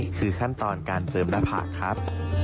คือขั้นตอนการเจิมหน้าผากครับ